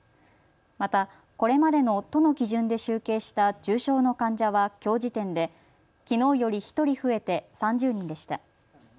また、これまでの都の基準で集計した重症の患者はきょう時点できのうより１人増えて３０人でした。